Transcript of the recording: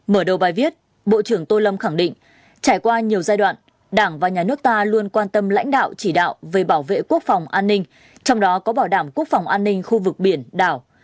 mở đầu bài viết bộ trưởng tô lâm khẳng định trải qua nhiều giai đoạn đảng và nhà nước ta luôn quan tâm lãnh đạo chỉ đạo về bảo vệ quốc phòng an ninh trong đó có bảo đảm quốc phòng an ninh khu vực biển đảo